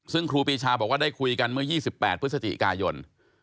ซึ่งครูปีชาบอกว่าได้คุยกันเมื่อ๒๘พฤศจิกายน